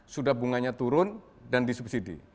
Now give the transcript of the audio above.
sudah bunganya turun dan disubsidi